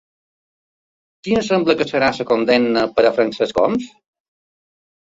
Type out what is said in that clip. Quina sembla que serà la condemna per a Francesc Homs?